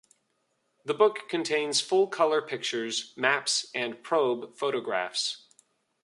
The book contains full-colour pictures, maps and probe photographs.